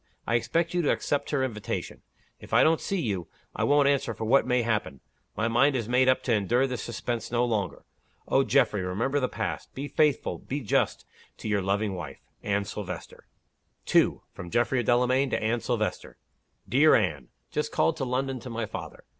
I expect you to accept her invitation. If I don't see you, I won't answer for what may happen. My mind is made up to endure this suspense no longer. Oh, Geoffrey, remember the past! Be faithful be just to your loving wife, "ANNE SILVESTER." 2. From Geoffrey Delamayn to Anne Silvester. "DEAR ANNE, Just called to London to my father.